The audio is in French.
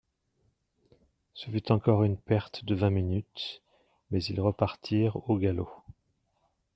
Ce fut encore une perte de vingt minutes ; mais ils repartirent au galop.